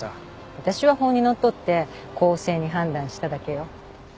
私は法にのっとって公正に判断しただけよ。